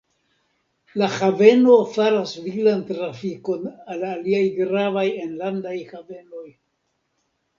La haveno faras viglan trafikon al aliaj gravaj enlandaj havenoj.